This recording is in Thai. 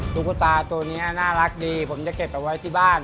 ตุ๊กตาตัวนี้น่ารักดีผมจะเก็บเอาไว้ที่บ้าน